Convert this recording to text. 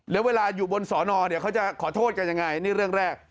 แล้วเวลาอยู่บนสอนอเนี่ยเขาจะขอโทษกันยังไงนี่เรื่องแรก